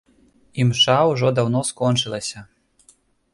Імша ўжо даўно скончылася.